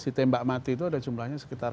ditembak mati itu ada jumlahnya sekitar